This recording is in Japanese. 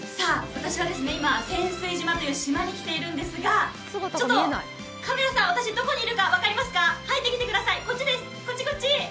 私は今、仙酔島という島に来ているんですが、ちょっとカメラさん、私、どこにいるか分かりますか、入ってきてください。